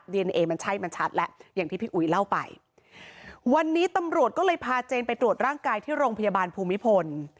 เอนเอมันใช่มันชัดแล้วอย่างที่พี่อุ๋ยเล่าไปวันนี้ตำรวจก็เลยพาเจนไปตรวจร่างกายที่โรงพยาบาลภูมิพล